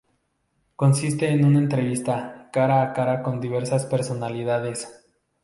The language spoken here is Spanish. Consiste en una entrevista cara a cara con diversas personalidades.